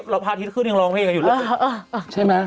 เราพาทิศขึ้นยังร้องเพลงอยู่แล้วใช่ไหม